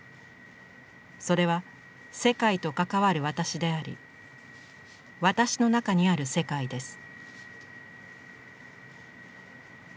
それは世界と関わる私であり私の中にある世界です。